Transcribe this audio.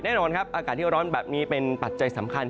แน่นอนครับอากาศที่ร้อนแบบนี้เป็นปัจจัยสำคัญ